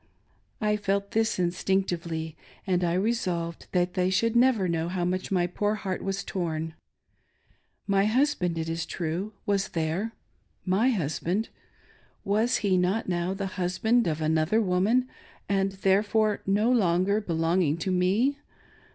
I felt this instinctively, and I resolved that they should never know how much my poor heart was torn. My husband, it is true, was there. My husbaq^ ! Was he not now the husband of an other woman, and, therefore, no longer belonging to me.